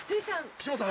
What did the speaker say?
岸本さん。